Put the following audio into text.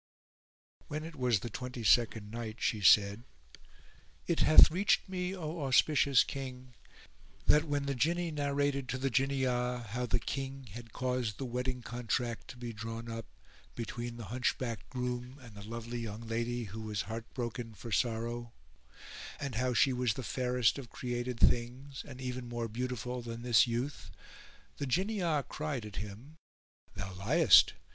When it was the Twenty second Night, She said, It hath reached me, O auspicious King, that when the Jinni narrated to the Jinniyah how the King had caused the wedding contract to be drawn up between the hunchbacked groom and the lovely young lady who was heart broken for sorrow; and how she was the fairest of created things and even more beautiful than this youth, the Jinniyah cried at him "Thou liest!